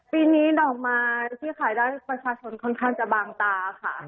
ปีนี้ดอกไม้ที่ขายได้ประชาชนค่อนข้างจะบางตาค่ะ